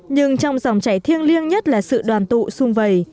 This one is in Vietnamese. nhưng trong dòng chảy thiêng liêng nhất là sự đoàn tụ xung vầy